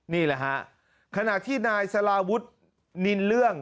นี่แหละฮะขณะที่นายสลาวุฒินินเรื่อง